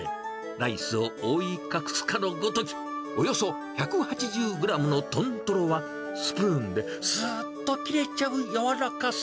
ライスを覆い隠すかのごとき、およそ１８０グラムの豚トロは、スプーンですーっと切れちゃう柔らかさ。